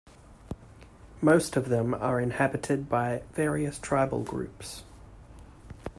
Most of them are inhabited by various tribal groups.